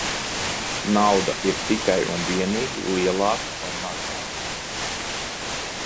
Nauda ir tikai un vienīgi lielāka vai mazāka.